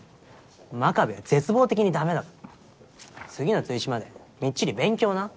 真壁は絶望的にダメだから次の追試までみっちり勉強な。